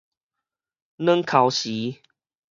軟剾匙